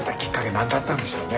何だったんでしょうね？